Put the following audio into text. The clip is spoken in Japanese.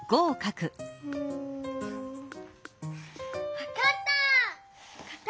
わかった！